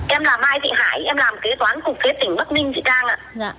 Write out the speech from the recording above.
em là mai thị hải em làm kế toán cục kế tỉnh bắc ninh chị trang ạ